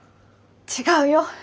違うよ。